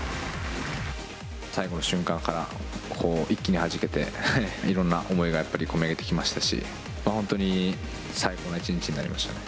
最後の瞬間から一気にはじけて、いろんな思いがやっぱりこみ上げてきましたし、本当に最高な一日になりましたね。